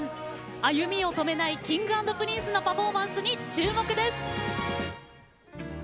歩みを止めないＫｉｎｇ＆Ｐｒｉｎｃｅのパフォーマンスに注目です。